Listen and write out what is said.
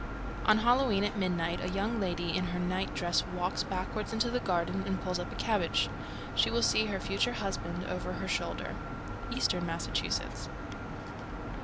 On Halloween at midnight a young lady in her night dress walks backward into the garden and pulls up a cabbage. She will see her future husband over her shoulder. _Eastern Massachusetts.